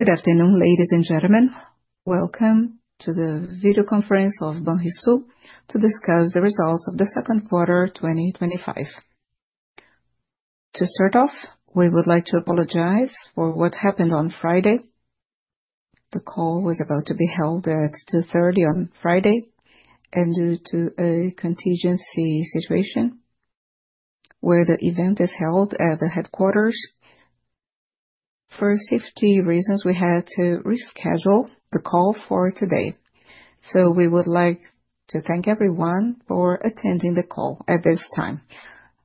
Good afternoon, ladies and gentlemen. Welcome to the video conference of Banrisul to discuss the results of the second quarter 2025. To start off, we would like to apologize for what happened on Friday. The call was about to be held at 2:30 P.M. on Friday, and due to a contingency situation where the event is held at the headquarters, for safety reasons, we had to reschedule the call for today. We would like to thank everyone for attending the call at this time.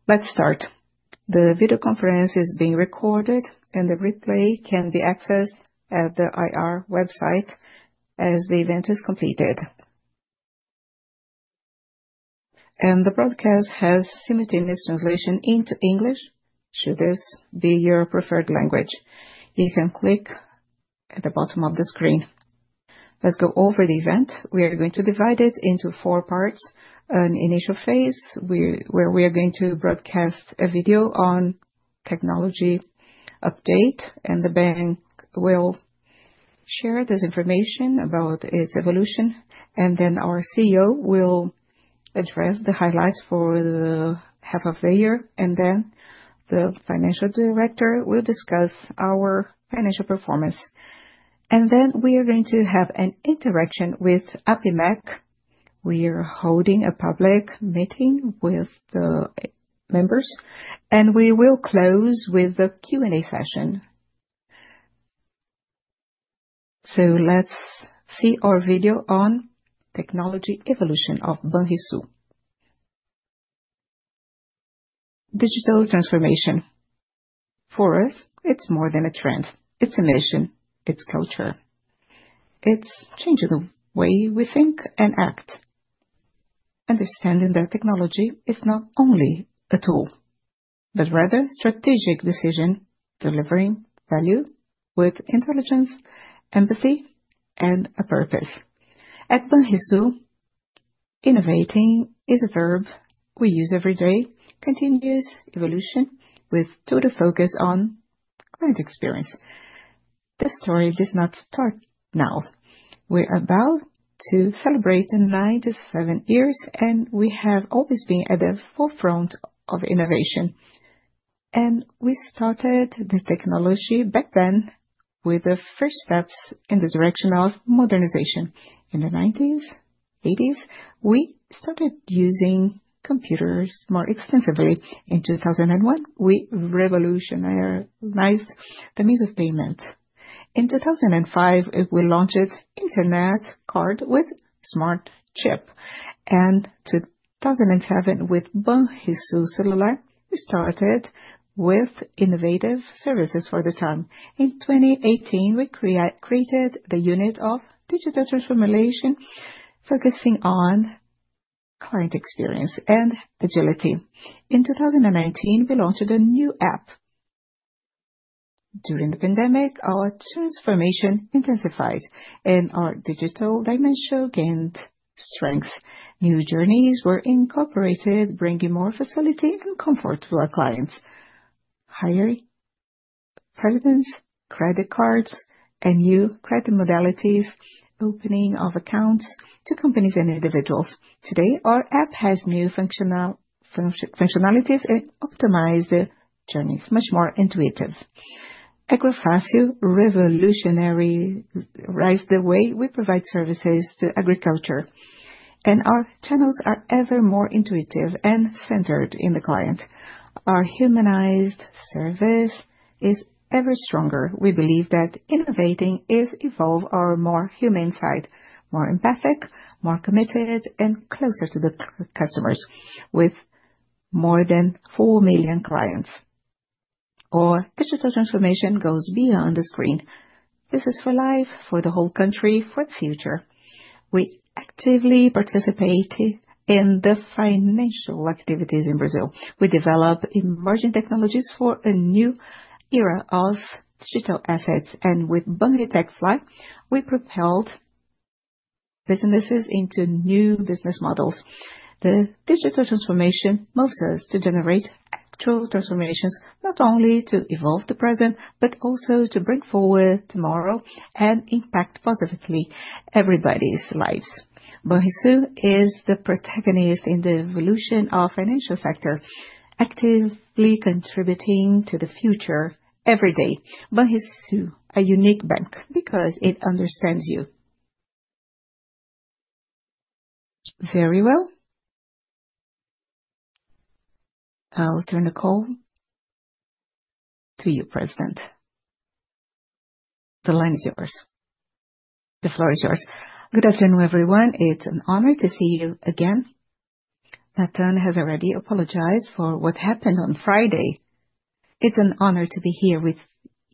Let's start. The video conference is being recorded, and the replay can be accessed at the IR website as the event is completed. The broadcast has simultaneous translation into English. Should this be your preferred language, you can click at the bottom of the screen. Let's go over the event. We are going to divide it into four parts: an initial phase where we are going to broadcast a video on technology update, and the bank will share this information about its evolution. Then our CEO will address the highlights for the half of the year, and the Financial Director will discuss our financial performance. We are going to have an interaction with Apimec. We are holding a public meeting with the members, and we will close with a Q&A session. Let's see our video on technology evolution of Banrisul. Digital transformation. For us, it's more than a trend. It's a mission. It's culture. It's changing the way we think and act. Understanding that technology is not only a tool, but rather a strategic decision delivering value with intelligence, empathy, and a purpose. At Banrisul, innovating is a verb we use every day: continuous evolution with a total focus on client experience. This story does not start now. We are about to celebrate 97 years, and we have always been at the forefront of innovation. We started the technology back then with the first steps in the direction of modernization. In the 1990s, 1980s, we started using computers more extensively. In 2001, we revolutionized the means of payment. In 2005, we launched an internet card with a smart chip. In 2007, with Banrisul, we started with innovative services for the time. In 2018, we created the unit of digital transformation, focusing on client experience and agility. In 2019, we launched a new app. During the pandemic, our transformation intensified, and our digital dimension gained strength. New journeys were incorporated, bringing more facility and comfort to our clients. Higher credit cards, and new credit modalities, opening of accounts to companies and individuals. Today, our app has new functionalities and optimized journeys, much more intuitive. AgroFácil revolutionized the way we provide services to agriculture. Our channels are ever more intuitive and centered in the client. Our humanized service is ever stronger. We believe that innovating is evolving our more human side, more empathic, more committed, and closer to the customers with more than 4 million clients. Our digital transformation goes beyond the screen. This is for life, for the whole country, for the future. We actively participate in the financial activities in Brazil. We develop emerging technologies for a new era of digital assets. With Banritech Fly, we propelled businesses into new business models. The digital transformation moves us to generate true transformations, not only to evolve the present, but also to bring forward tomorrow and impact positively everybody's lives. Banrisul is the protagonist in the evolution of the financial sector, actively contributing to the future every day. Banrisul, a unique bank because it understands you very well. I'll turn the call to you, President. The line is yours. The floor is yours. Good afternoon, everyone. It's an honor to see you again. Nathan has already apologized for what happened on Friday. It's an honor to be here with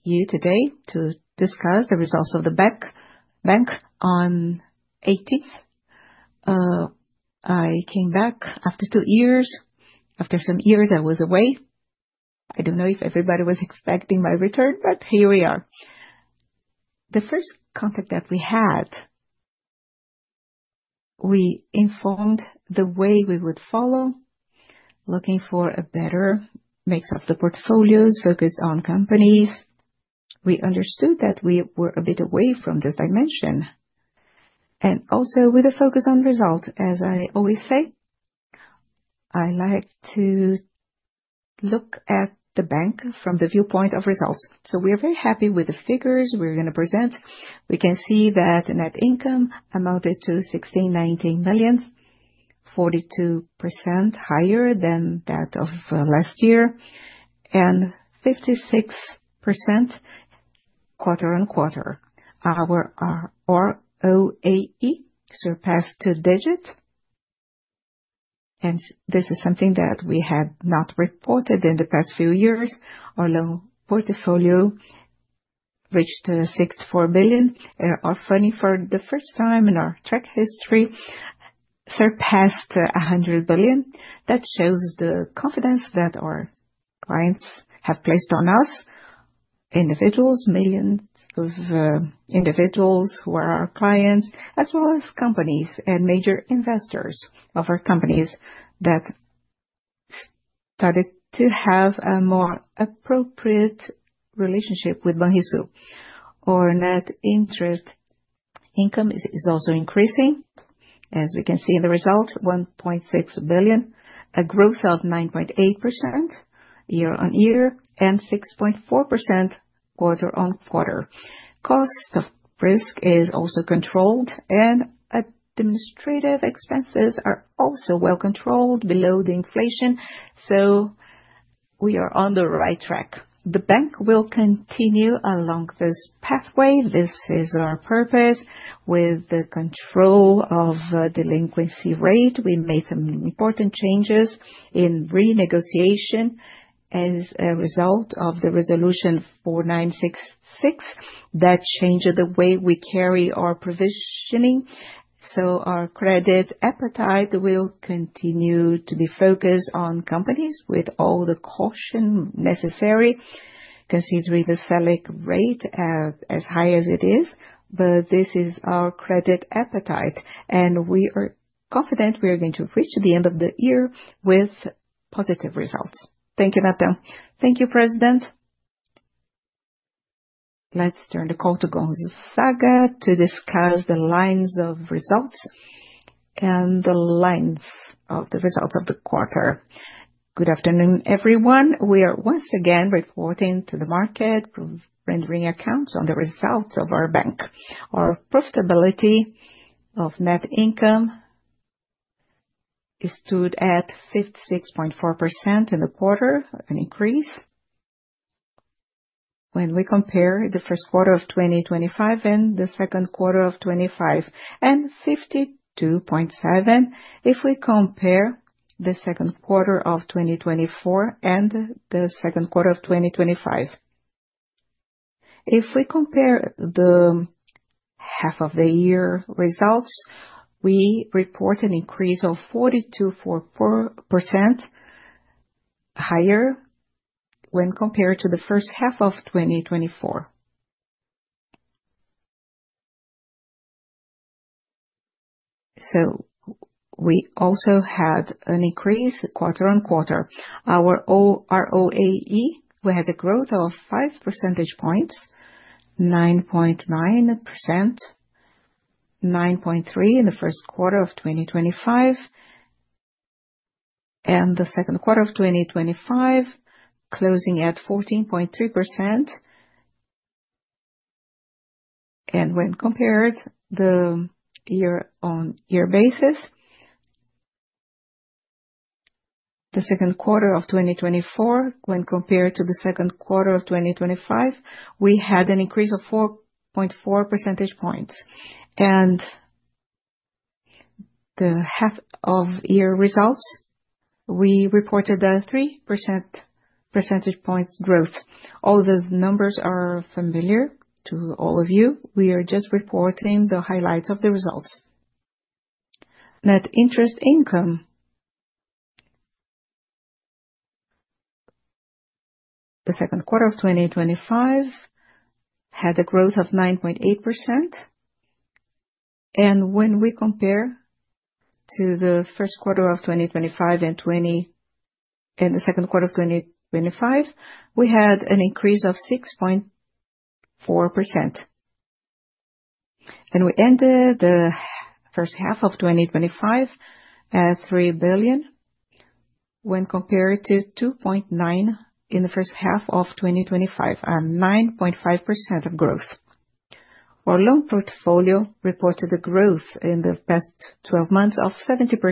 you today to discuss the results of the bank on the 18th. I came back after two years. After some years, I was away. I don't know if everybody was expecting my return, but here we are. The first contact that we had, we informed the way we would follow, looking for a better mix of the portfolios focused on companies. We understood that we were a bit away from this dimension. Also with a focus on results. As I always say, I like to look at the bank from the viewpoint of results. We are very happy with the figures we're going to present. We can see that the net income amounted to R$16.19 million, 42% higher than that of last year, and 56% quarter on quarter. Our ROA surpassed two digits. This is something that we had not reported in the past few years. Our loan portfolio reached R$64 million. Our funding, for the first time in our track history, surpassed R$100 billion. That shows the confidence that our clients have placed on us, individuals, millions of individuals who are our clients, as well as companies and major investors of our companies that started to have a more appropriate relationship with Banrisul. Our net interest income is also increasing. As we can see in the results, $1.6 billion, a growth of 9.8% year on year, and 6.4% quarter on quarter. Cost of risk is also controlled, and administrative expenses are also well controlled below the inflation. We are on the right track. The bank will continue along this pathway. This is our purpose. With the control of the delinquency rate, we made some important changes in renegotiation as a result of Resolution 4966. That changed the way we carry our provisioning. Our credit appetite will continue to be focused on companies with all the caution necessary, considering the selling rate as high as it is. This is our credit appetite. We are confident we are going to reach the end of the year with positive results. Thank you, Nathan. Thank you, President. Let's turn the call to Gonzaga to discuss the lines of results and the lines of the results of the quarter. Good afternoon, everyone. We are once again reporting to the market, rendering accounts on the results of our bank. Our profitability of net income stood at 56.4% in the quarter, an increase when we compare the first quarter of 2025 and the second quarter of 2025, and 52.7% if we compare the second quarter of 2024 and the second quarter of 2025. If we compare the half of the year results, we report an increase of 42.4% higher when compared to the first half of 2024. We also had an increase quarter on quarter. Our ROA had a growth of 5 percentage points, 9.9%, 9.3% in the first quarter of 2025, and the second quarter of 2025, closing at 14.3%. When compared to the year-on-year basis, the second quarter of 2024, when compared to the second quarter of 2025, we had an increase of 4.4 percentage points. The half of year results, we reported a 3% percentage point growth. All of those numbers are familiar to all of you. We are just reporting the highlights of the results. Net interest income, the second quarter of 2025, had a growth of 9.8%. When we compare to the first quarter of 2025 and the second quarter of 2025, we had an increase of 6.4%. We ended the first half of 2025 at $3 billion when compared to 2.9% in the first half of 2025, a 9.5% of growth. Our loan portfolio reported a growth in the past 12 months of 70%,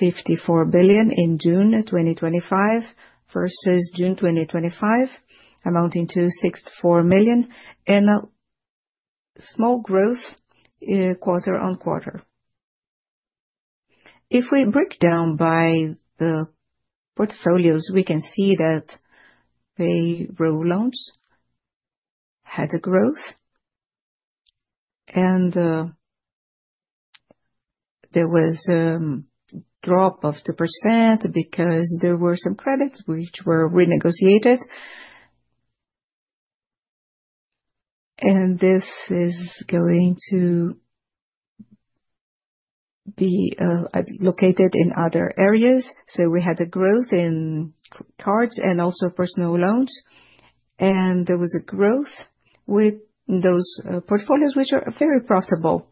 R$54 billion in June 2025 versus June 2024, amounting to R$64 billion, and a small growth quarter on quarter. If we break down by the portfolios, we can see that payroll loans had a growth, and there was a drop of 2% because there were some credits which were renegotiated. This is going to be located in other areas. We had a growth in cards and also personal loans. There was a growth in those portfolios which are very profitable.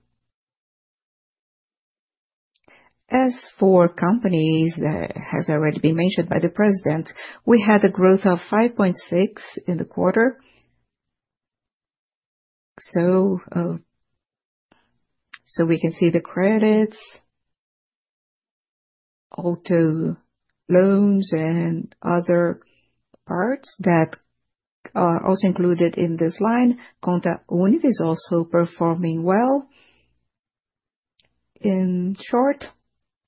As for companies that have already been mentioned by the President, we had a growth of 5.6% in the quarter. We can see the credits, auto loans, and other parts that are also included in this line. Conta Única is also performing well. In short,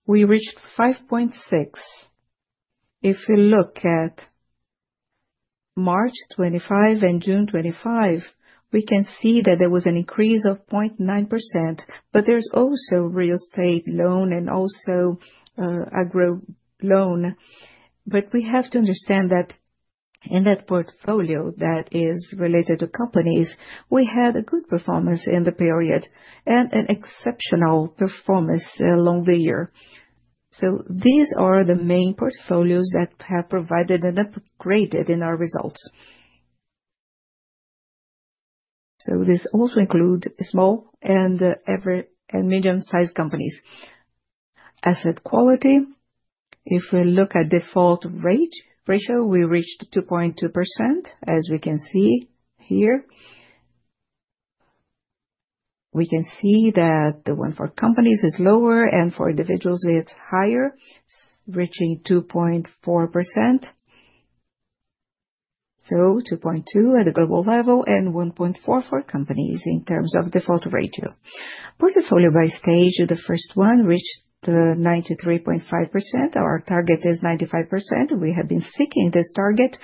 we reached 5.6%. If we look at March 2025 and June 2025, we can see that there was an increase of 0.9%. There's also real estate loan and also agro loan. We have to understand that in that portfolio that is related to companies, we had a good performance in the period and an exceptional performance along the year. These are the main portfolios that have provided an upgrade in our results. This also includes small and medium-sized companies. Asset quality, if we look at default rate ratio, we reached 2.2%, as we can see here. We can see that the one for companies is lower, and for individuals, it's higher, reaching 2.4%. 2.2% at the global level and 1.4% for companies in terms of default ratio. Portfolio by stage, the first one reached 93.5%. Our target is 95%. We have been seeking this target.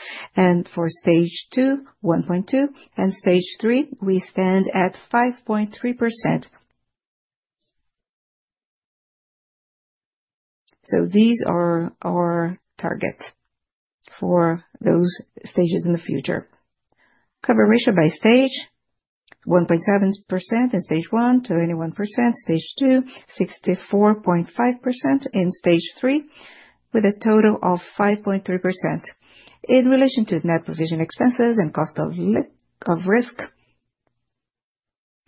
For stage two, 1.2%. Stage three, we stand at 5.3%. These are our targets for those stages in the future. Cover ratio by stage, 1.7% in stage one, 21% in stage two, 64.5% in stage three, with a total of 5.3% in relation to net provision expenses and cost of risk.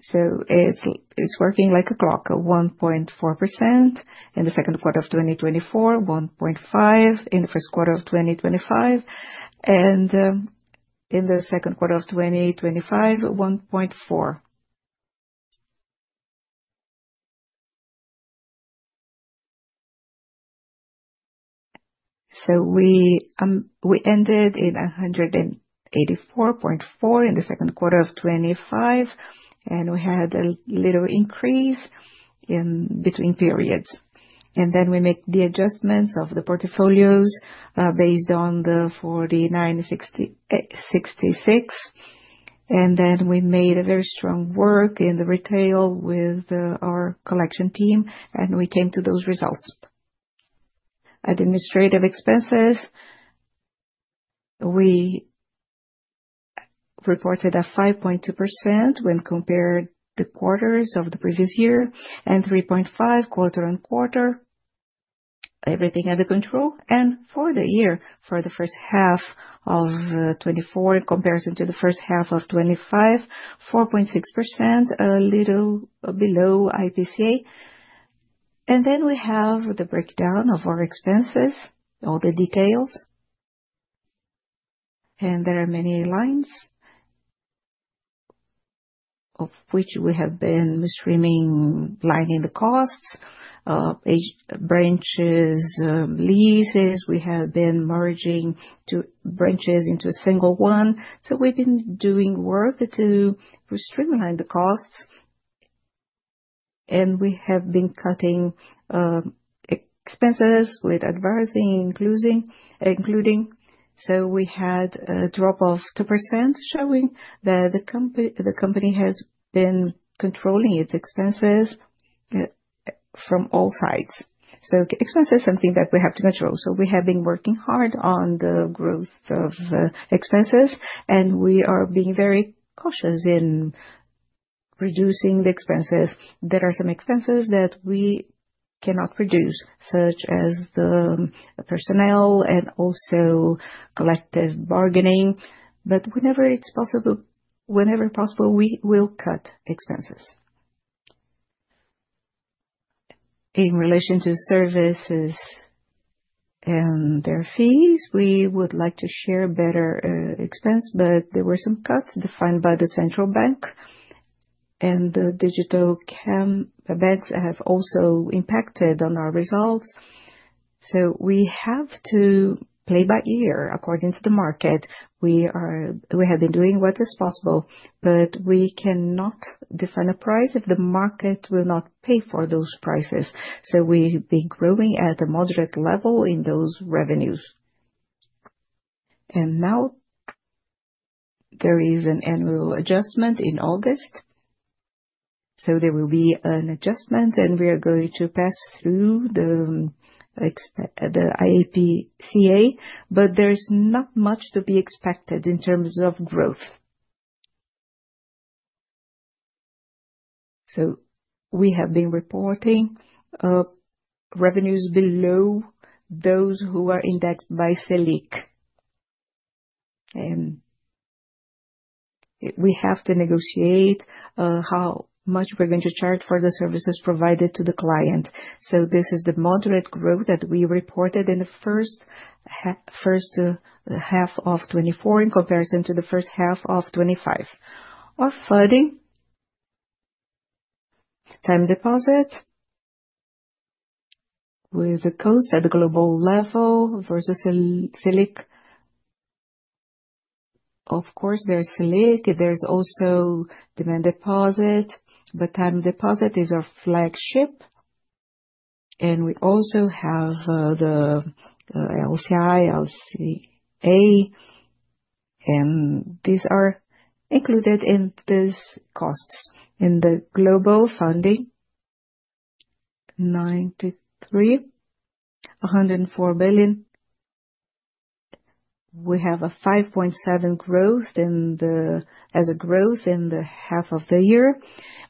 It's working like a clock: 1.4% in the second quarter of 2024, 1.5% in the first quarter of 2025, and in the second quarter of 2025, 1.4%. We ended in 184.4% in the second quarter of 2025, and we had a little increase in between periods. We make the adjustments of the portfolios based on the 49.66%. We made a very strong work in the retail with our collection team, and we came to those results. Administrative expenses, we reported a 5.2% when compared to quarters of the previous year and 3.5% quarter on quarter. Everything under control. For the year, for the first half of 2024 in comparison to the first half of 2025, 4.6%, a little below IPCA. We have the breakdown of our expenses, all the details. There are many lines of which we have been streamlining the costs, branches, leases. We have been merging two branches into a single one. We have been doing work to streamline the costs. We have been cutting expenses with advising and closing, including. We had a drop of 2% showing that the company has been controlling its expenses from all sides. Expenses are something that we have to control. We have been working hard on the growth of expenses, and we are being very cautious in reducing the expenses. There are some expenses that we cannot reduce, such as the personnel and also collective bargaining. Whenever it's possible, we will cut expenses. In relation to services and their fees, we would like to share a better expense, but there were some cuts defined by the central bank. The digital banks have also impacted on our results. We have to play by ear according to the market. We have been doing what is possible, but we cannot define a price if the market will not pay for those prices. We have been growing at a moderate level in those revenues. Now there is an annual adjustment in August. There will be an adjustment, and we are going to pass through the IPCA. There is not much to be expected in terms of growth. We have been reporting revenues below those who are indexed by Selic. We have to negotiate how much we're going to charge for the services provided to the client. This is the moderate growth that we reported in the first half of 2024 in comparison to the first half of 2025. Our funding, time deposit with a cost at the global level versus Selic. Of course, there's Selic. There's also demand deposit, but time deposit is our flagship. We also have the LCI, LCA. These are included in these costs. In the global funding, 93, 104 billion. We have a 5.7% growth as a growth in the half of the year.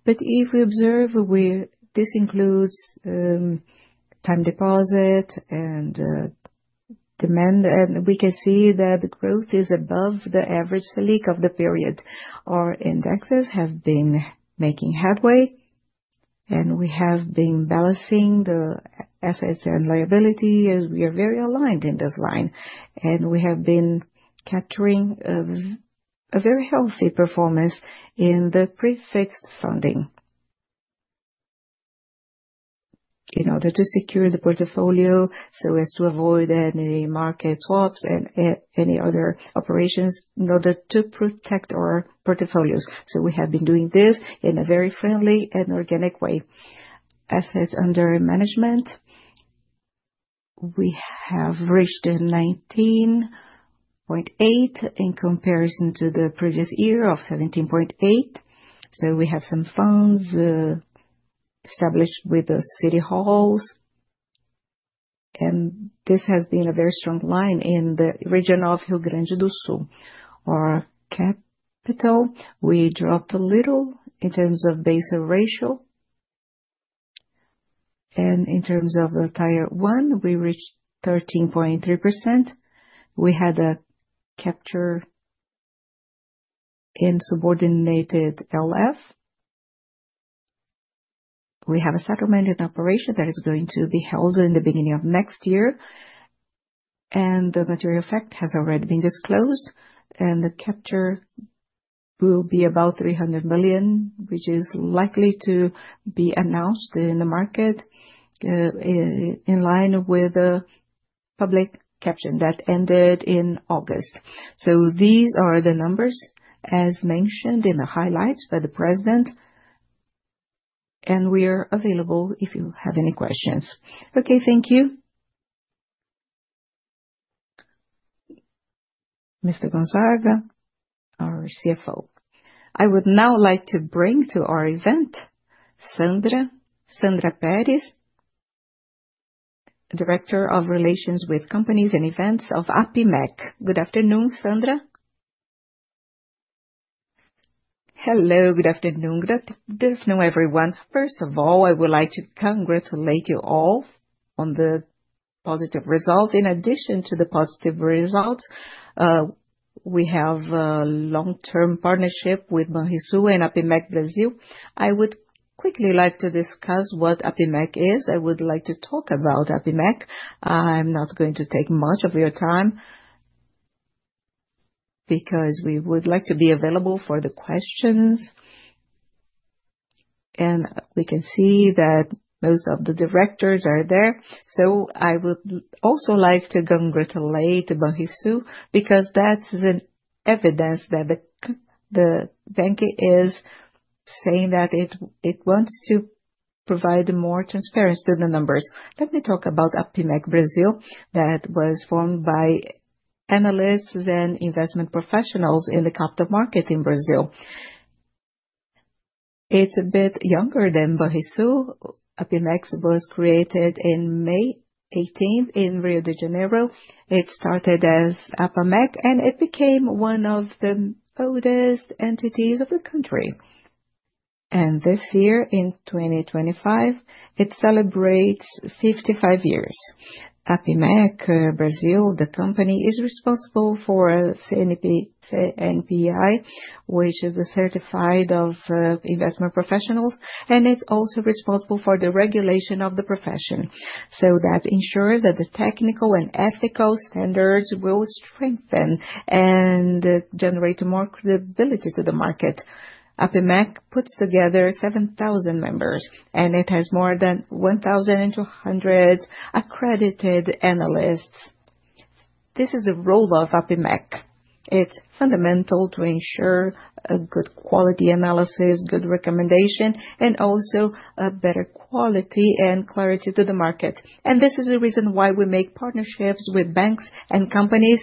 If we observe, this includes time deposit and demand, and we can see that the growth is above the average Selic of the period. Our indexes have been making headway, and we have been balancing the assets and liabilities. We are very aligned in this line. We have been capturing a very healthy performance in the prefixed funding in order to secure the portfolio to avoid any market swaps and any other operations to protect our portfolios. We have been doing this in a very friendly and organic way. Assets under management have reached 19.8% in comparison to the previous year of 17.8%. We have some funds established with the city halls, and this has been a very strong line in the region of Rio Grande do Sul. Our capital dropped a little in terms of base ratio, and in terms of the tier one, we reached 13.3%. We had a capture in subordinated LF. We have a settlement in operation that is going to be held in the beginning of next year, and the material effect has already been disclosed. The capture will be about R$300 million, which is likely to be announced in the market in line with the public caption that ended in August. These are the numbers as mentioned in the highlights by the President. We are available if you have any questions. Thank you. Mr. Gonzaga, our CFO. I would now like to bring to our event Sandra Perez, Director of Relations with Companies and Events at Apimec Brasil. Good afternoon, Sandra. Hello. Good afternoon. Good afternoon, everyone. First of all, I would like to congratulate you all on the positive results. In addition to the positive results, we have a long-term partnership with Banrisul and Apimec Brasil. I would quickly like to discuss what Apimec is. I would like to talk about Apimec. I'm not going to take much of your time because we would like to be available for the questions. We can see that most of the directors are there. I would also like to congratulate Banrisul because that's the evidence that the bank is saying that it wants to provide more transparency to the numbers. Let me talk about Apimec Brasil that was formed by analysts and investment professionals in the capital market in Brazil. It's a bit younger than Banrisul. Apimec was created on May 18th in Rio de Janeiro. It started as Apimec, and it became one of the oldest entities of the country. This year, in 2025, it celebrates 55 years. Apimec Brasil, the company, is responsible for CNPI certification, which is the Certified of Investment Professionals, and it's also responsible for the regulation of the profession. That ensures that the technical and ethical standards will strengthen and generate more credibility to the market. Apimec puts together 7,000 members, and it has more than 1,200 accredited analysts. This is the role of Apimec. It's fundamental to ensure a good quality analysis, good recommendation, and also a better quality and clarity to the market. This is the reason why we make partnerships with banks and companies,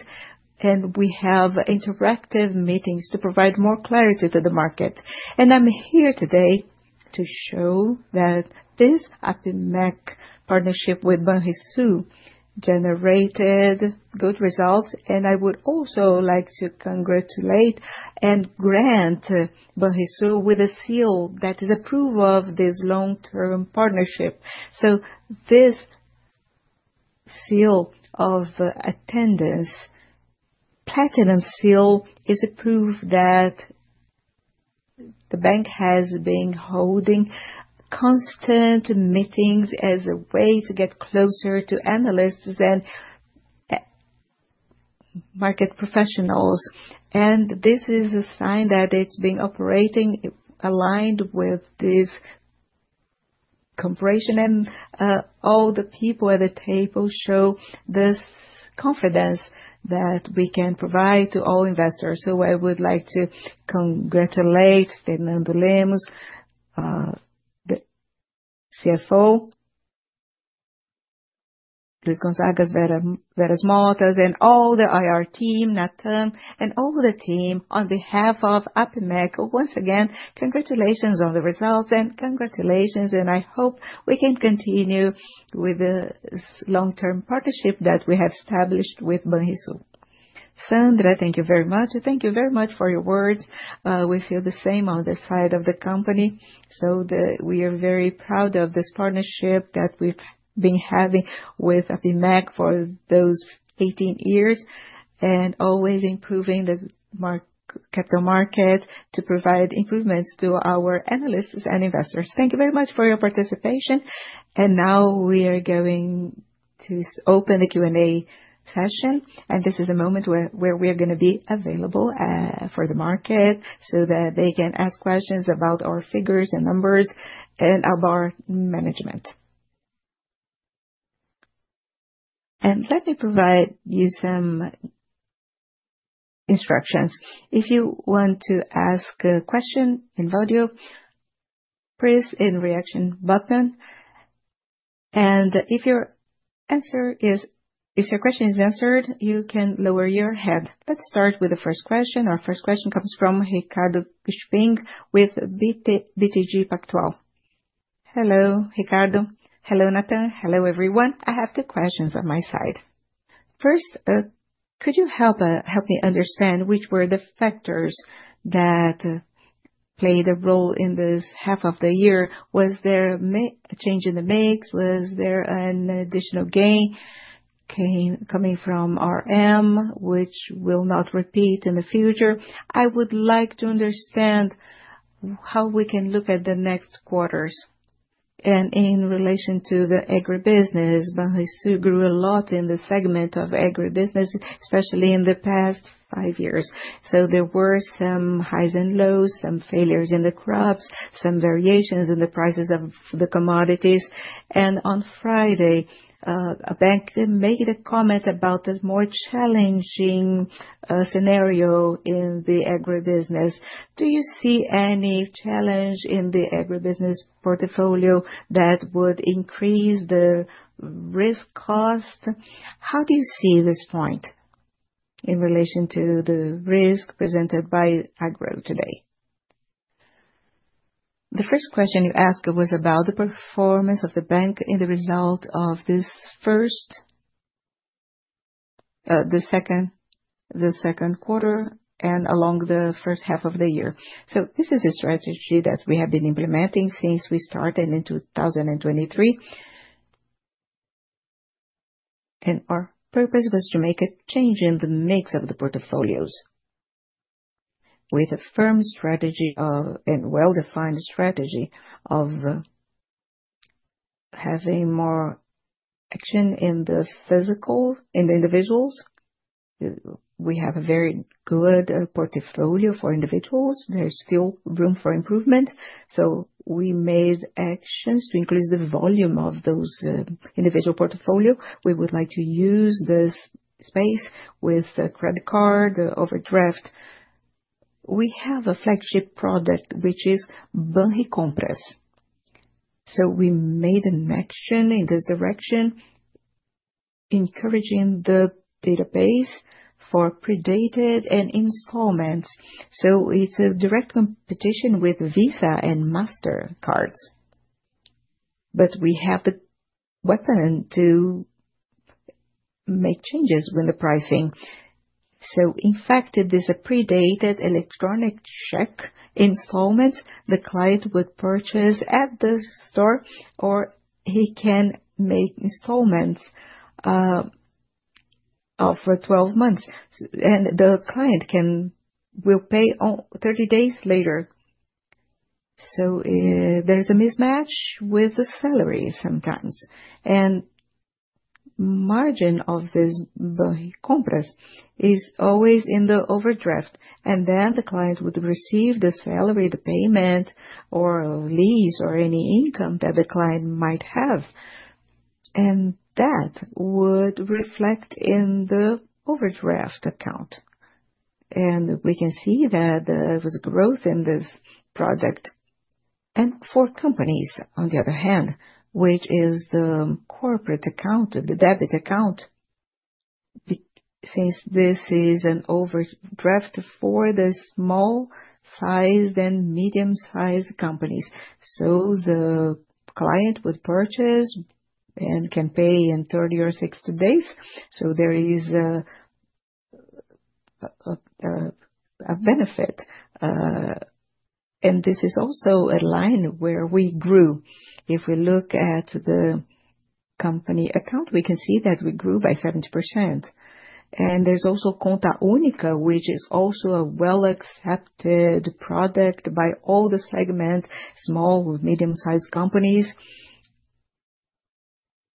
and we have interactive meetings to provide more clarity to the market. I'm here today to show that this Apimec partnership with Banrisul generated good results. I would also like to congratulate and grant Banrisul with a seal that is a proof of this long-term partnership. This seal of attendance, a platinum seal, is a proof that the bank has been holding constant meetings as a way to get closer to analysts and market professionals. This is a sign that it's been operating aligned with this corporation. All the people at the table show this confidence that we can provide to all investors. I would like to congratulate Fernando Lemos, the CFO, Luis Gonzaga, Veras Motos, and all the IR team, Nathan Meneguzzi, and all the team on behalf of Apimec. Once again, congratulations on the results, and congratulations. I hope we can continue with this long-term partnership that we have established with Banrisul. Sandra, thank you very much. Thank you very much for your words. We feel the same on the side of the company. We are very proud of this partnership that we've been having with Apimec Brasil for those 18 years and always improving the capital market to provide improvements to our analysts and investors. Thank you very much for your participation. Now we are going to open the Q&A session. This is a moment where we are going to be available for the market so that they can ask questions about our figures and numbers and about our management. Let me provide you some instructions. If you want to ask a question in audio, press the reaction button. If your question is answered, you can lower your hand. Let's start with the first question. Our first question comes from Ricardo Pichuquin with BTG Pactual. Hello, Ricardo. Hello, Nathan. Hello, everyone. I have two questions on my side. First, could you help me understand which were the factors that played a role in this half of the year? Was there a change in the mix? Was there an additional gain coming from RM, which will not repeat in the future? I would like to understand how we can look at the next quarters. In relation to the agribusiness, Banrisul grew a lot in the segment of agribusiness, especially in the past five years. There were some highs and lows, some failures in the crops, some variations in the prices of the commodities. On Friday, a bank made a comment about a more challenging scenario in the agribusiness. Do you see any challenge in the agribusiness portfolio that would increase the cost of risk? How do you see this point in relation to the risk presented by Agro today? The first question you asked was about the performance of the bank in the result of this first, the second, the second quarter, and along the first half of the year. This is a strategy that we have been implementing since we started in 2023. Our purpose was to make a change in the mix of the portfolios with a firm strategy and well-defined strategy of having more action in the physical, in the individuals. We have a very good portfolio for individuals. There's still room for improvement. We made actions to increase the volume of those individual portfolios. We would like to use this space with credit card overdraft. We have a flagship product, which is Banricompras. We made an action in this direction, encouraging the database for pre-dated and installments. It's a direct competition with Visa and Mastercards. We have the weapon to make changes with the pricing. In fact, there's a pre-dated electronic check installments. The client would purchase at the store, or he can make installments for 12 months, and the client will pay 30 days later. There's a mismatch with the salary sometimes. The margin of this Banricompras is always in the overdraft. The client would receive the salary, the payment, or a lease, or any income that the client might have, and that would reflect in the overdraft account. We can see that there was growth in this product. For companies, on the other hand, which is the corporate account, the debit account, since this is an overdraft for the small-sized and medium-sized companies, the client would purchase and can pay in 30 or 60 days. There is a benefit, and this is also a line where we grew. If we look at the company account, we can see that we grew by 70%. There's also Conta Única, which is also a well-accepted product by all the segments, small, medium-sized companies,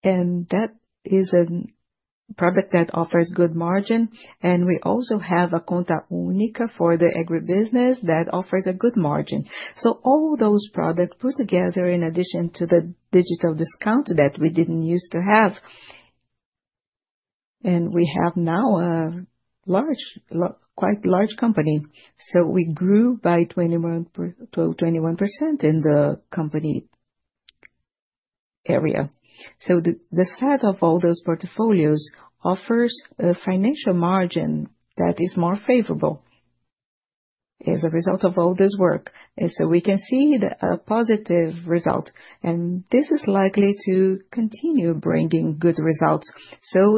and that is a product that offers good margin. We also have a Conta Única for the agribusiness that offers a good margin. All those products put together in addition to the digital discount that we didn't use to have, and we have now a large, quite large company. We grew by 21% in the company area. The set of all those portfolios offers a financial margin that is more favorable as a result of all this work. We can see a positive result. This is likely to continue bringing good results.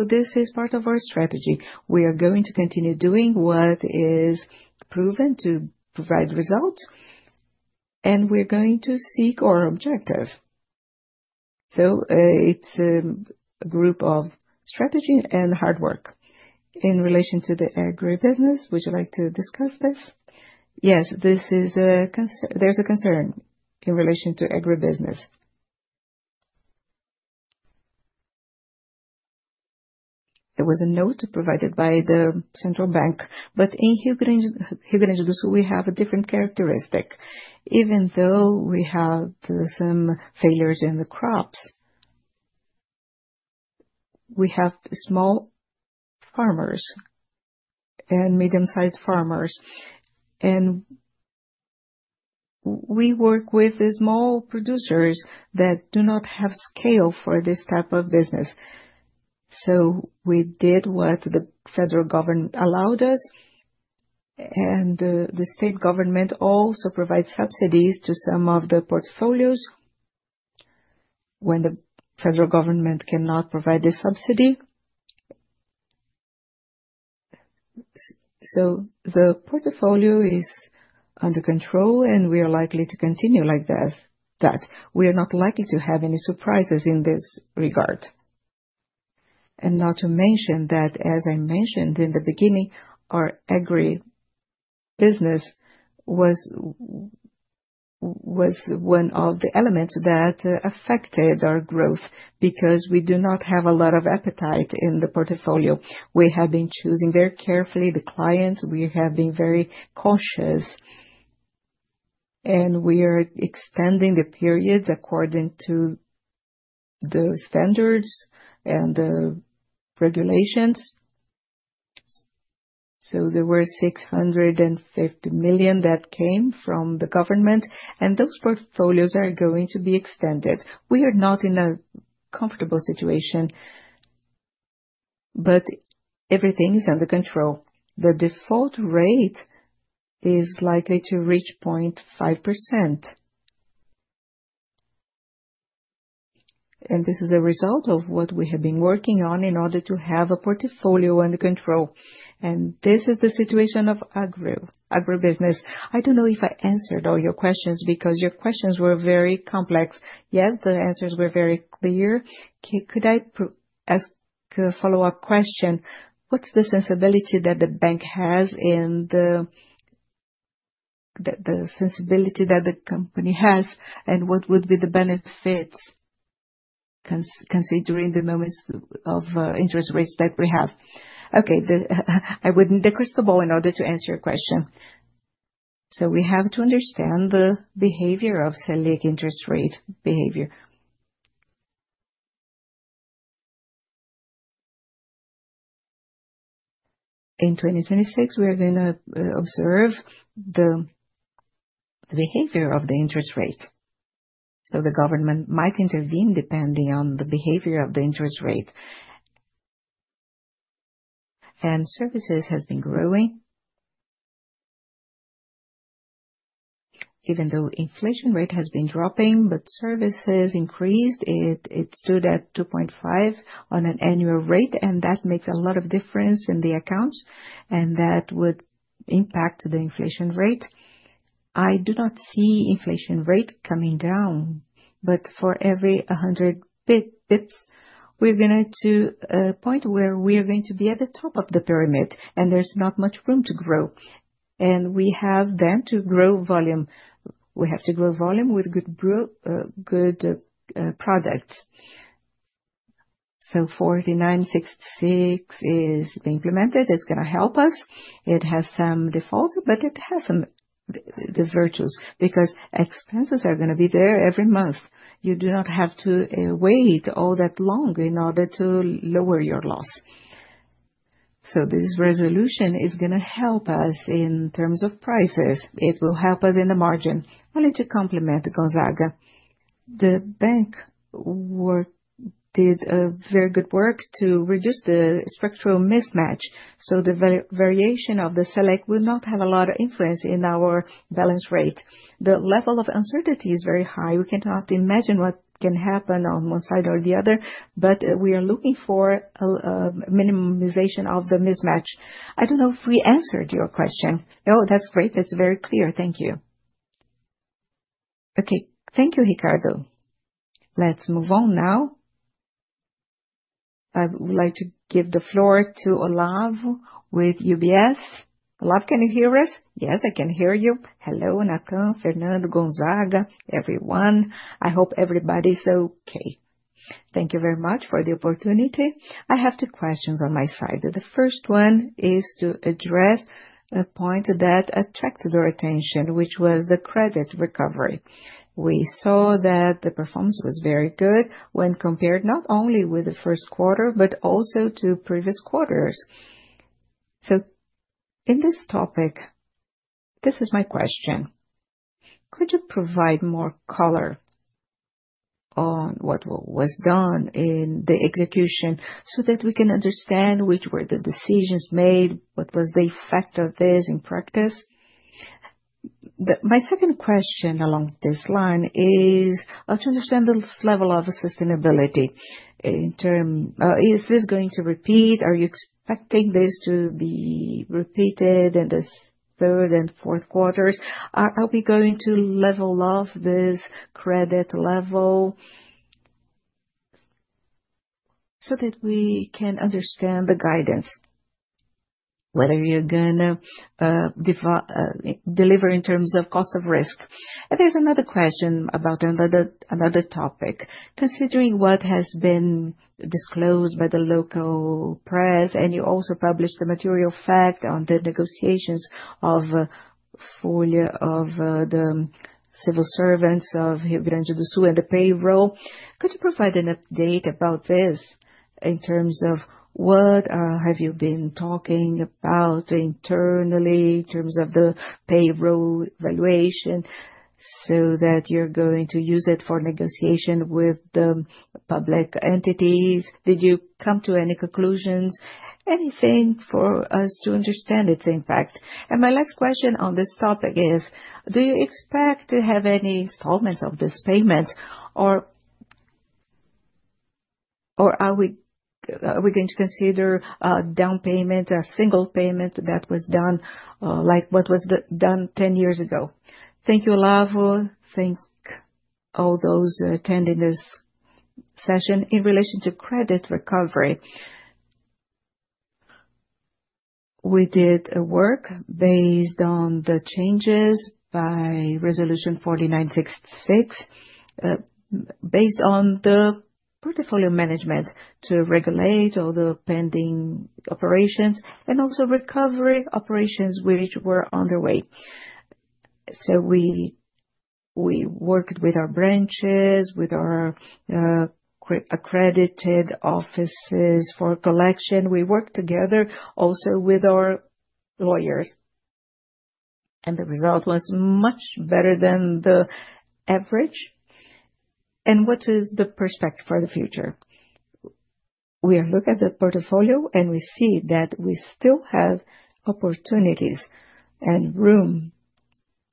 This is part of our strategy. We are going to continue doing what is proven to provide results, and we're going to seek our objective. It's a group of strategy and hard work. In relation to the agribusiness, would you like to discuss this? Yes, this is a concern. There's a concern in relation to agribusiness. It was a note provided by the central bank. In Rio Grande do Sul, we have a different characteristic. Even though we had some failures in the crops, we have small farmers and medium-sized farmers, and we work with the small producers that do not have scale for this type of business. We did what the federal government allowed us, and the state government also provides subsidies to some of the portfolios when the federal government cannot provide the subsidy. The portfolio is under control, and we are likely to continue like that. We are not likely to have any surprises in this regard. Not to mention that, as I mentioned in the beginning, our agribusiness was one of the elements that affected our growth because we do not have a lot of appetite in the portfolio. We have been choosing very carefully the clients. We have been very cautious, and we are extending the periods according to the standards and the regulations. There were $650 million that came from the government, and those portfolios are going to be extended. We are not in a comfortable situation, but everything is under control. The default rate is likely to reach 0.5%, and this is a result of what we have been working on in order to have a portfolio under control. This is the situation of agribusiness. I don't know if I answered all your questions because your questions were very complex. Yes, the answers were very clear. Could I ask a follow-up question? What's the sensibility that the bank has in the sensibility that the company has, and what would be the benefits considering the numbers of interest rates that we have? Okay. I wouldn't decrystal ball in order to answer your question. We have to understand the behavior of Selic interest rate behavior. In 2026, we are going to observe the behavior of the interest rate. The government might intervene depending on the behavior of the interest rate. Services have been growing. Even though the inflation rate has been dropping, services increased. It stood at 2.5% on an annual rate, and that makes a lot of difference in the accounts. That would impact the inflation rate. I do not see the inflation rate coming down. For every 100 basis points, we're going to a point where we are going to be at the top of the pyramid, and there's not much room to grow. We have to grow volume. We have to grow volume with good products. Resolution 4966 is implemented. It's going to help us. It has some defaults, but it has some virtues because expenses are going to be there every month. You do not have to wait all that long in order to lower your loss. This resolution is going to help us in terms of prices. It will help us in the margin. I wanted to compliment Gonzaga. The bank did very good work to reduce the structural mismatch. The variation of the Selic will not have a lot of influence in our balance rate. The level of uncertainty is very high. We cannot imagine what can happen on one side or the other, but we are looking for a minimization of the mismatch. I don't know if we answered your question. No, that's great. That's very clear. Thank you. Okay. Thank you, Ricardo. Let's move on now. I would like to give the floor to Olavo with UBS. Olav, can you hear us? Yes, I can hear you. Hello, Nathan, Fernando, Gonzaga, everyone. I hope everybody is okay. Thank you very much for the opportunity. I have two questions on my side. The first one is to address a point that attracted our attention, which was the credit recovery. We saw that the performance was very good when compared not only with the first quarter, but also to previous quarters. In this topic, this is my question. Could you provide more color on what was done in the execution so that we can understand which were the decisions made, what was the effect of this in practice? My second question along this line is also to understand the level of sustainability. Is this going to repeat? Are you expecting this to be repeated in the third and fourth quarters? Are we going to level off this credit level so that we can understand the guidance, whether you're going to deliver in terms of cost of risk? There's another question about another topic. Considering what has been disclosed by the local press, and you also published the material fact on the negotiations of the civil servants of Rio Grande do Sul and the payroll, could you provide an update about this in terms of what have you been talking about internally in terms of the payroll evaluation so that you're going to use it for negotiation with the public entities? Did you come to any conclusions? Anything for us to understand its impact? My last question on this topic is, do you expect to have any installments of this payment, or are we going to consider a down payment, a single payment that was done, like what was done 10 years ago? Thank you, Olav. Thanks, all those attending this session. In relation to credit recovery, we did work based on the changes by Resolution 4966 based on the portfolio management to regulate all the pending operations and also recovery operations which were underway. We worked with our branches, with our accredited offices for collection. We worked together also with our lawyers. The result was much better than the average. What is the perspective for the future? We look at the portfolio and we see that we still have opportunities and room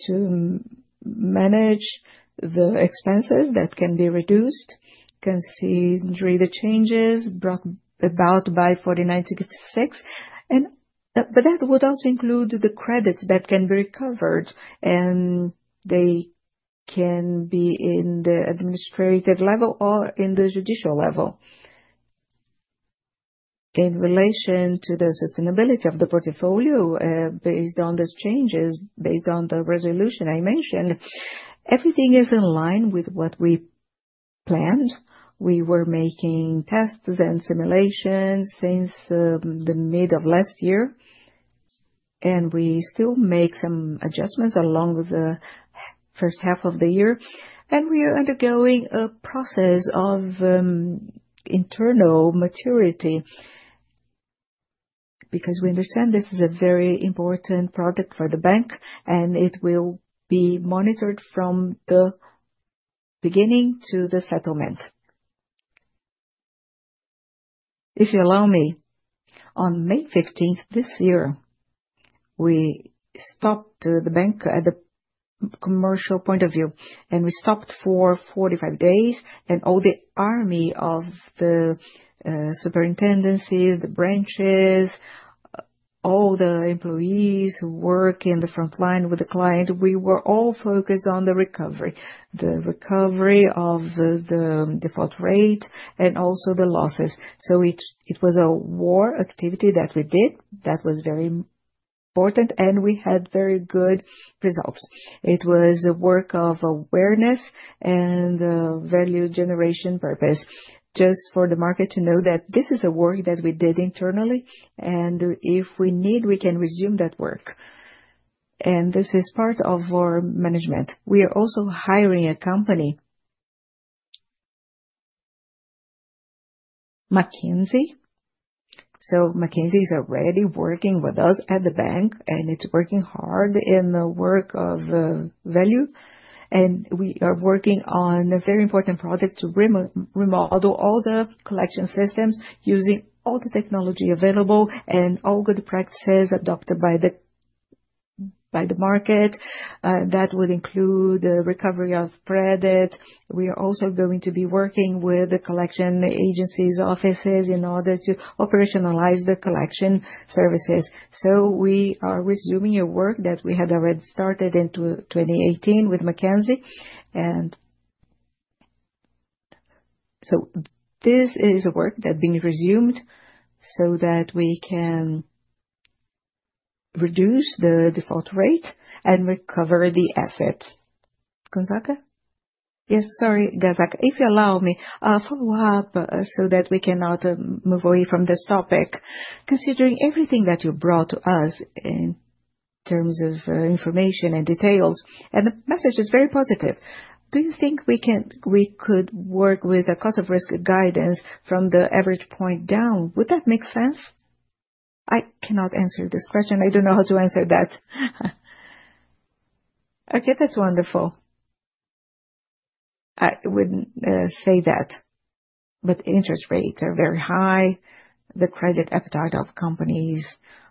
to manage the expenses that can be reduced, considering the changes brought about by Resolution 4966. That would also include the credits that can be recovered, and they can be in the administrative level or in the judicial level. In relation to the sustainability of the portfolio based on these changes, based on the resolution I mentioned, everything is in line with what we planned. We were making tests and simulations since the middle of last year. We still make some adjustments along with the first half of the year. We are undergoing a process of internal maturity because we understand this is a very important product for the bank, and it will be monitored from the beginning to the settlement. If you allow me, on May 15th this year, we stopped the bank at the commercial point of view, and we stopped for 45 days. All the army of the superintendencies, the branches, all the employees who work in the front line with the client, we were all focused on the recovery, the recovery of the default rate, and also the losses. It was a war activity that we did that was very important, and we had very good results. It was a work of awareness and value generation purpose just for the market to know that this is a work that we did internally. If we need, we can resume that work. This is part of our management. We are also hiring a company, McKinsey. McKinsey is already working with us at the bank, and it's working hard in the work of value. We are working on a very important project to remodel all the collection systems using all the technology available and all good practices adopted by the market. That would include the recovery of credit. We are also going to be working with the collection agencies' offices in order to operationalize the collection services. We are resuming a work that we had already started in 2018 with McKinsey. This is a work that's being resumed so that we can reduce the default rate and recover the assets. Gonzaga? Yes, sorry. Gonzaga. If you allow me, a follow-up so that we cannot move away from this topic, considering everything that you brought to us in terms of information and details, and the message is very positive. Do you think we could work with a cost of risk guidance from the average point down? Would that make sense? I cannot answer this question. I don't know how to answer that. Okay. That's wonderful. I wouldn't say that. Interest rates are very high. The credit appetite of companies,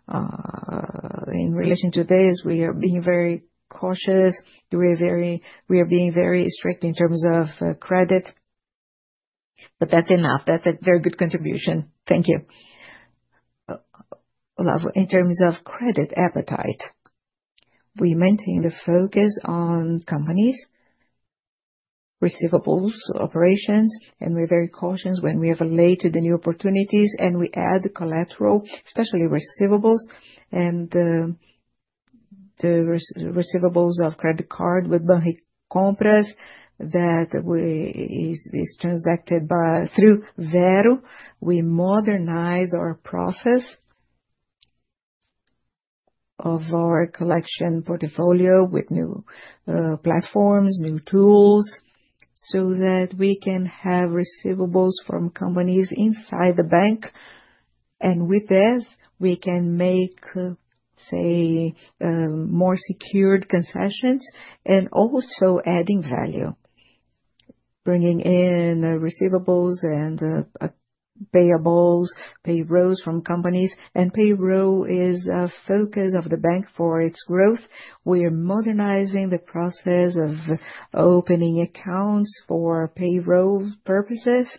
in relation to this, we are being very cautious. We are being very strict in terms of credit. That's enough. That's a very good contribution. Thank you. Olav, in terms of credit appetite, we maintain the focus on companies, receivables, operations, and we're very cautious when we have related to the new opportunities. We add collateral, especially receivables, and the receivables of credit card with Banricompras that is transacted through Vero. We modernize our process of our collection portfolio with new platforms, new tools so that we can have receivables from companies inside the bank. With this, we can make more secured concessions and also adding value, bringing in receivables and payables, payrolls from companies. Payroll is a focus of the bank for its growth. We are modernizing the process of opening accounts for payroll purposes.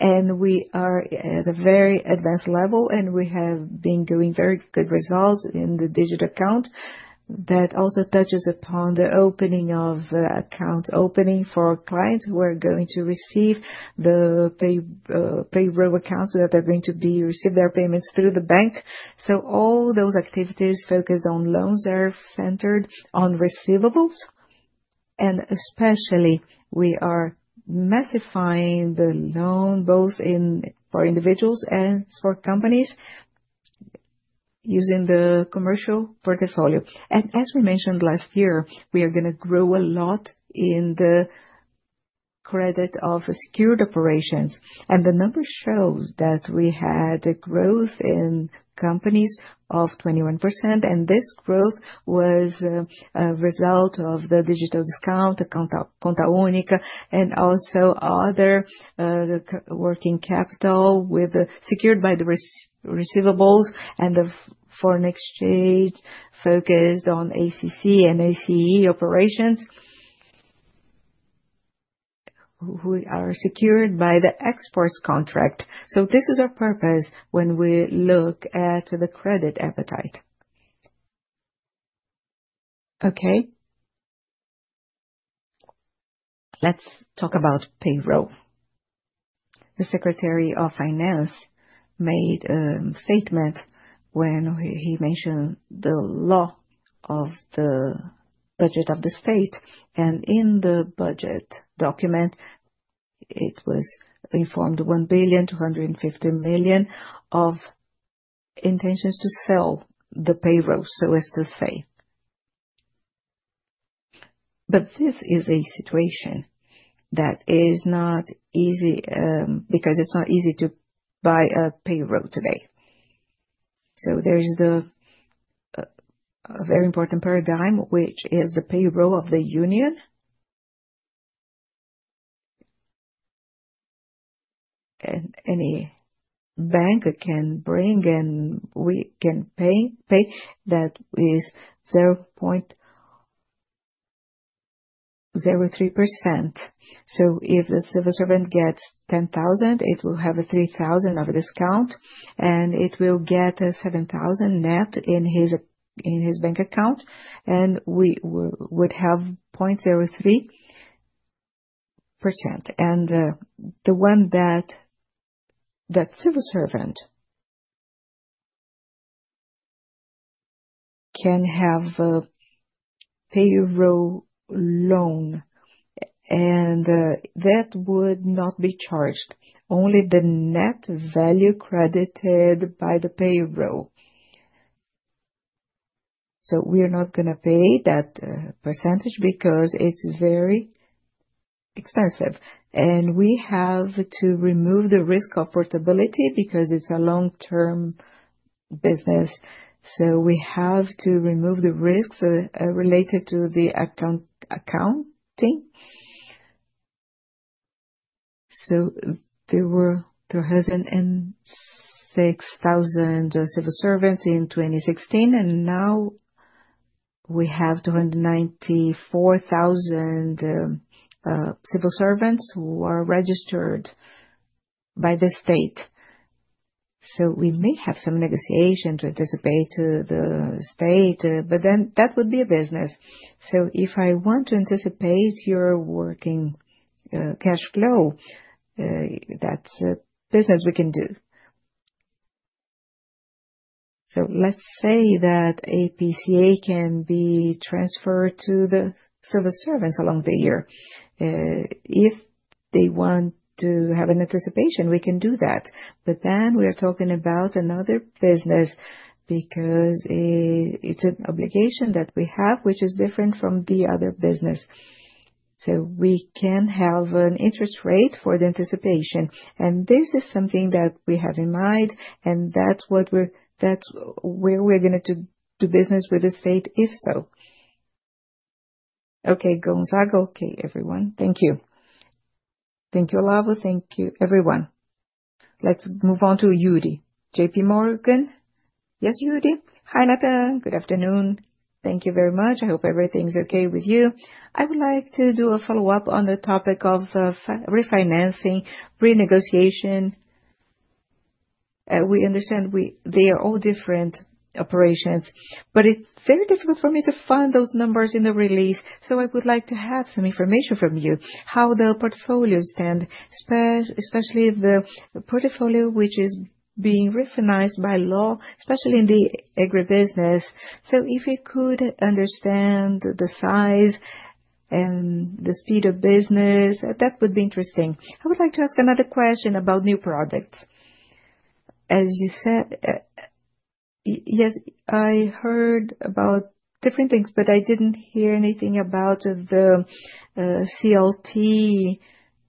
We are at a very advanced level, and we have been doing very good results in the digital account that also touches upon the opening of accounts for clients who are going to receive the payroll accounts that are going to receive their payments through the bank. All those activities focused on loans are centered on receivables. Especially, we are massifying the loan both for individuals and for companies using the commercial portfolio. As we mentioned last year, we are going to grow a lot in the credit of secured operations. The number shows that we had a growth in companies of 21%. This growth was a result of the digital discount, Conta Única, and also other working capital secured by the receivables and the foreign exchange focused on ACC and ACE operations which are secured by the exports contract. This is our purpose when we look at the credit appetite. Let's talk about payroll. The Secretary of Finance made a statement when he mentioned the law of the budget of the state. In the budget document, it was informed R$1,250,000,000 of intentions to sell the payroll, so as to say. This is a situation that is not easy because it's not easy to buy a payroll today. There is a very important paradigm, which is the payroll of the union. Any bank can bring and we can pay that is 0.03%. If the civil servant gets R$10,000, it will have R$3,000 of a discount, and it will get R$7,000 net in his bank account. We would have 0.03%. The one that civil servant can have a payroll loan, and that would not be charged, only the net value credited by the payroll. We are not going to pay that % because it's very expensive. We have to remove the risk of portability because it's a long-term business. We have to remove the risks related to the accounting. There were 206,000 civil servants in 2016, and now we have 294,000 civil servants who are registered by the state. We may have some negotiation to anticipate the state, but that would be a business. If I want to anticipate your working cash flow, that's a business we can do. Let's say that APCA can be transferred to the civil servants along the year. If they want to have an anticipation, we can do that. We are talking about another business because it's an obligation that we have, which is different from the other business. We can have an interest rate for the anticipation. This is something that we have in mind, and that's where we're going to do business with the state if so. Okay, Gonzaga. Okay, everyone. Thank you. Thank you, Olavo. Thank you, everyone. Let's move on to Yuri. JP Morgan. Yes, Yuri. Hi, Nathan. Good afternoon. Thank you very much. I hope everything's okay with you. I would like to do a follow-up on the topic of refinancing, renegotiation. We understand they are all different operations, but it's very difficult for me to find those numbers in the release. I would like to have some information from you, how the portfolio stands, especially the portfolio which is being refinanced by law, especially in the agribusiness. If you could understand the size and the speed of business, that would be interesting. I would like to ask another question about new products. As you said, yes, I heard about different things, but I didn't hear anything about the CLT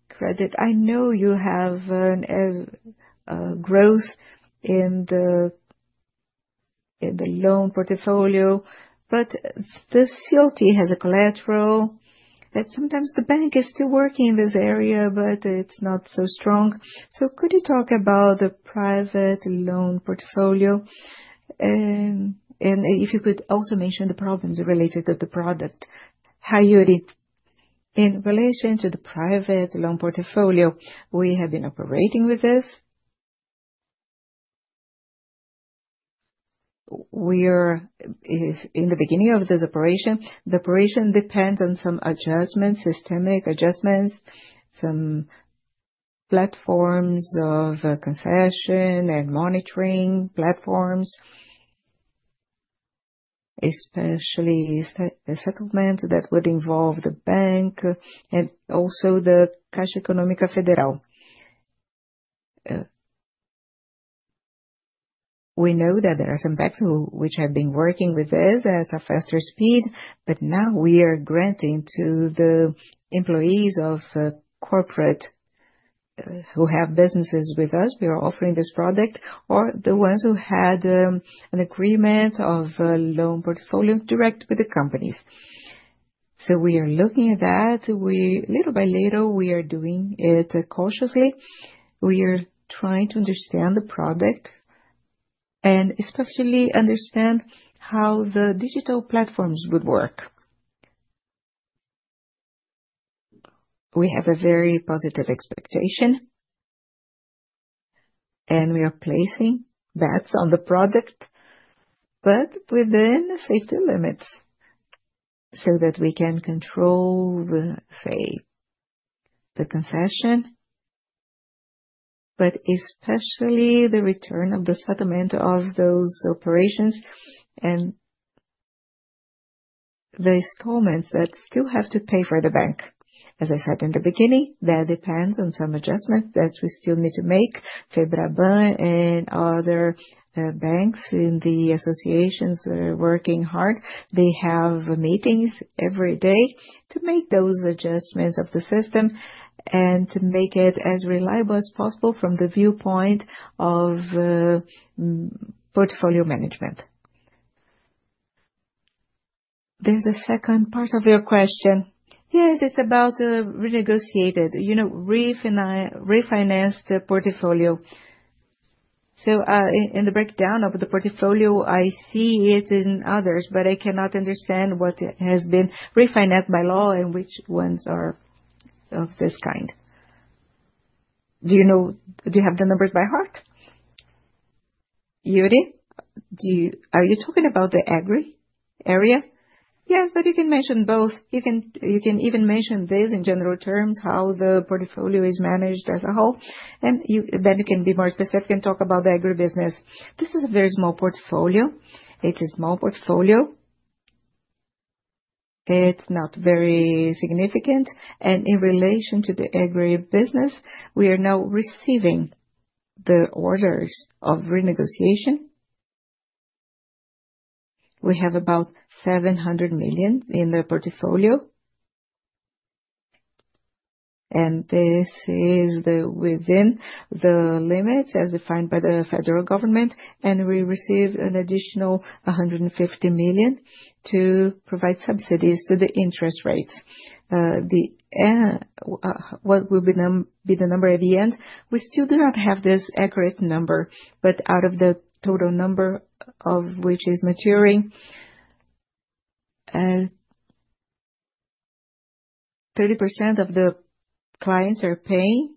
credit. I know you have a growth in the loan portfolio, but the CLT has a collateral. Sometimes the bank is still working in this area, but it's not so strong. Could you talk about the private loan portfolio? If you could also mention the problems related to the product. Hi Yuri. In relation to the private loan portfolio, we have been operating with this. We are in the beginning of this operation. The operation depends on some adjustments, systemic adjustments, some platforms of concession and monitoring platforms, especially settlements that would involve the bank and also the Caixa Económica Federal. We know that there are some banks which have been working with us at a faster speed, but now we are granting to the employees of corporate who have businesses with us. We are offering this product or the ones who had an agreement of loan portfolio direct with the companies. We are looking at that. Little by little, we are doing it cautiously. We are trying to understand the product and especially understand how the digital platforms would work. We have a very positive expectation, and we are placing bets on the product, but within safety limits so that we can control, say, the concession, but especially the return of the settlement of those operations and the installments that still have to pay for the bank. As I said in the beginning, that depends on some adjustments that we still need to make. [Banrisul] and other banks in the associations are working hard. They have meetings every day to make those adjustments of the system and to make it as reliable as possible from the viewpoint of portfolio management. There's a second part of your question. Yes, it's about renegotiated. You know, refinanced the portfolio. In the breakdown of the portfolio, I see it in others, but I cannot understand what has been refinanced by law and which ones are of this kind. Do you know? Do you have the number in my heart? Yuri, are you talking about the agri area? Yes, but you can mention both. You can even mention this in general terms, how the portfolio is managed as a whole. Then you can be more specific and talk about the agribusiness. This is a very small portfolio. It's a small portfolio. It's not very significant. In relation to the agribusiness, we are now receiving the orders of renegotiation. We have about R$700 million in the portfolio. This is within the limits as defined by the federal government. We receive an additional R$150 million to provide subsidies to the interest rates. What will be the number at the end? We still do not have this accurate number, but out of the total number of which is maturing, 30% of the clients are paying.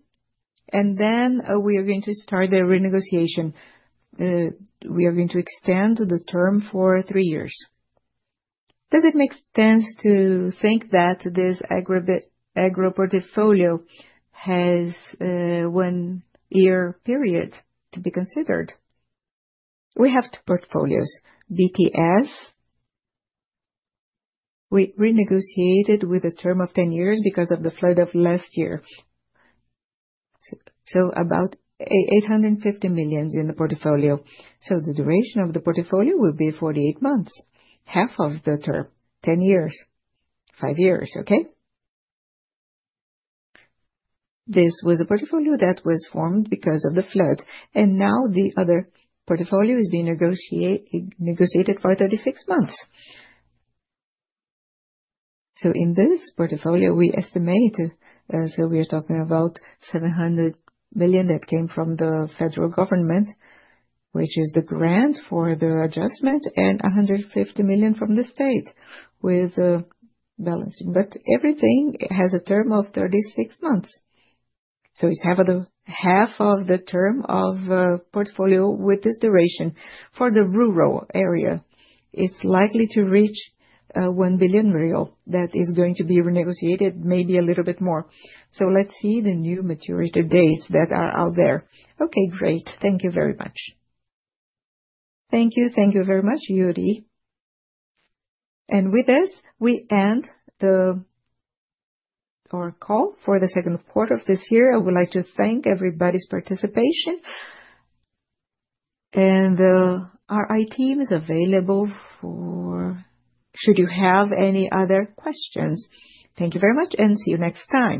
We are going to start the renegotiation. We are going to extend the term for three years. Does it make sense to think that this agri portfolio has a one-year period to be considered? We have two portfolios, BTS. We renegotiated with a term of 10 years because of the flood of last year. About R$850 million in the portfolio. The duration of the portfolio would be 48 months, half of the term, 10 years, 5 years, okay? This was a portfolio that was formed because of the flood. Now the other portfolio is being negotiated for 36 months. In this portfolio, we estimate, we are talking about R$700 million that came from the federal government, which is the grant for the adjustment, and R$150 million from the state with balancing. Everything has a term of 36 months. It's half of the term of portfolio with this duration. For the rural area, it's likely to reach R$1 billion rural that is going to be renegotiated, maybe a little bit more. Let's see the new maturity dates that are out there. Okay, great. Thank you very much. Thank you. Thank you very much, Yuri. With this, we end our call for the second quarter of this year. I would like to thank everybody's participation. Our IT team is available should you have any other questions. Thank you very much, and see you next time.